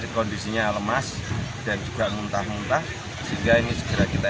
kondisinya lemas dan juga muntah muntah sehingga ini segera kita